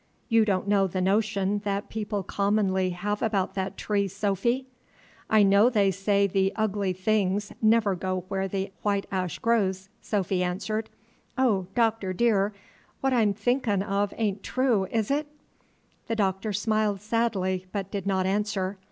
"You don't know the notion that people commonly have about that tree, Sophy?" "I know they say the Ugly Things never go where the white ash grows," Sophy answered. "Oh, Doctor dear, what I'm thinkin' of a'n't true, is it?" The Doctor smiled sadly, but did not answer.